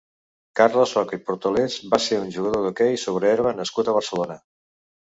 Carles Roca i Portolés va ser un jugador d'hoquei sobre herba nascut a Barcelona.